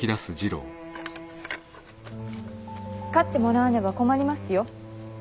勝ってもらわねば困りますよ。